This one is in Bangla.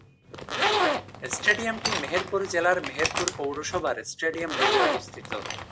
স্টেডিয়ামটি মেহেরপুর জেলার মেহেরপুর পৌরসভার স্টেডিয়াম রোডে অবস্থিত।